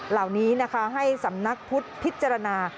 เหล่านี้นะคะให้สำนักพุทธพิจารณา